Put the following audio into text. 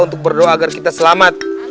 untuk berdoa agar kita selamat